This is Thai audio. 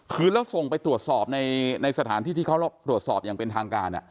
คือแล้วส่งไปตรวจสอบในสถานที่ที่เขาตรวจสอบอย่างเป็นทางการ